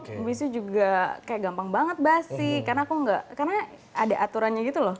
habis itu juga kayak gampang banget basi karena aku nggak karena ada aturannya gitu loh